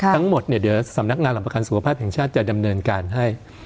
ทั้งหมดเนี่ยเดี๋ยวสำนักงานหลักประกันสุขภาพแห่งชาติจะดำเนินการให้